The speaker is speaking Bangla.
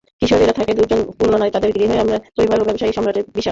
কিশোরী থেকে একজন পূর্ণ নারী—তাঁকে ঘিরেই একটি পরিবার এবং ব্যবসায়িক সাম্রাজ্যের বিকাশ।